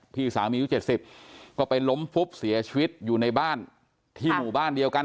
พี่สามีอายุ๗๐ก็ไปล้มฟุบเสียชีวิตอยู่ในบ้านที่หมู่บ้านเดียวกัน